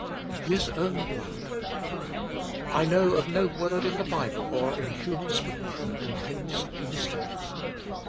His own blood. I know of no word in the Bible or in human speech that contains such mysteries